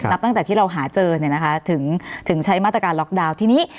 ตั้งแต่ที่เราหาเจอเนี่ยนะคะถึงใช้มาตรการล็อกดาวน์ทีนี้